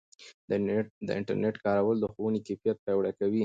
د انټرنیټ کارول د ښوونې کیفیت پیاوړی کوي.